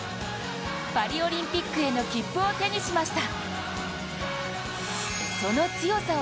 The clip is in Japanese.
パリオリンピックへの切符を手にしました。